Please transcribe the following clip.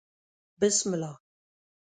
_بسم الله.